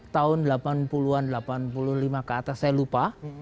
tahun delapan puluh an delapan puluh lima ke atas saya lupa